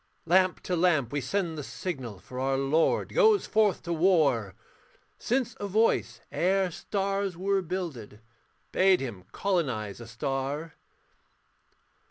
Lamp to lamp we send the signal, For our lord goes forth to war; Since a voice, ere stars were builded, Bade him colonise a star.